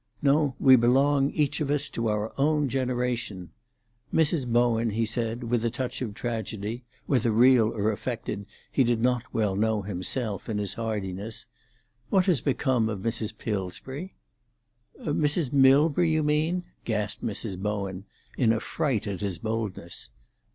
No, we belong, each of us, to our own generation. Mrs. Bowen," he said, with a touch of tragedy—whether real or affected, he did not well know himself—in his hardiness, "what has become of Mrs. Pilsbury?" "Mrs. Milbury, you mean?" gasped Mrs. Bowen, in affright at his boldness.